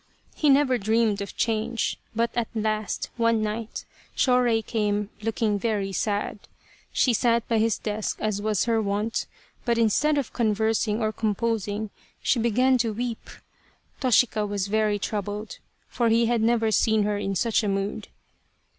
He never dreamed of change, but at last, one night, Shorei came looking very sad. She sat by his desk as was her wont, but instead of conversing or com posing she began to weep. Toshika was very troubled, for he had never seen her in such a mood.